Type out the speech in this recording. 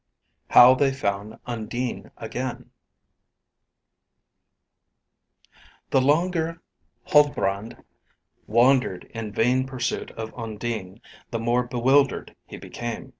HOW THEY FOUND UNDINE AGAIN The longer Huldbrand wandered in vain pursuit of Undine, the more bewildered he became.